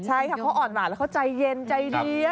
ใช่ค่ะเขาอ่อนหวานแล้วเขาใจเย็นใจดี